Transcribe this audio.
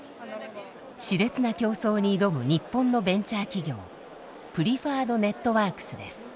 熾烈な競争に挑む日本のベンチャー企業プリファードネットワークスです。